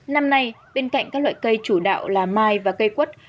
năm nay bên cạnh các loại cây chủ đạo là mai và cây quất